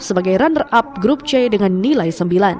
sebagai runner up grup c dengan nilai sembilan